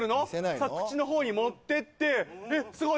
さあ口のほうに持ってってえっスゴい